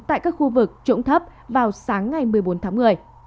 tại các khu vực trũng thấp vào sáng ngày một mươi bốn tháng một mươi